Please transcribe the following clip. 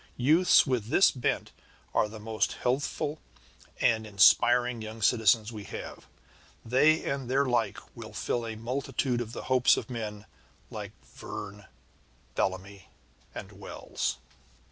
Youths with this bent are the most healthful and inspiring young citizens we have. They and their like will fulfil a multitude of the hopes of men like Verne, Bellamy, and Wells.